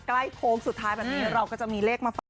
โค้งสุดท้ายแบบนี้เราก็จะมีเลขมาฝาก